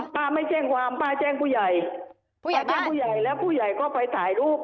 ป้าไม่แจ้งความป้าแจ้งผู้ใหญ่บ้านผู้ใหญ่แล้วผู้ใหญ่ก็ไปถ่ายรูป